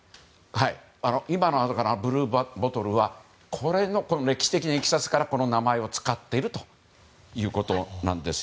今のブルーボトルはこの歴史的ないきさつからこの名前を使っているということです。